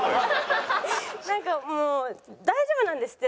なんかもう大丈夫なんですって！